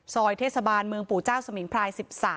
ซอยเทศบาลเมืองปู่เจ้าสมิงพราย๑๓